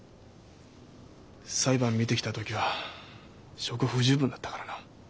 裁判見てきた時は証拠不十分だったからな。